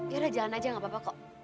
ya udah jalan aja gak apa apa kok